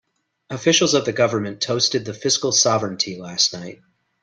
Officials of the government toasted the fiscal sovereignty last night.